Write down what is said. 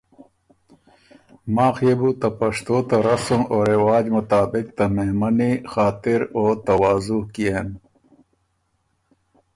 ماخ يې بو ته پشتو ته رسم او رواج مطابق ته مهمنی خاطر او تواضح کيېن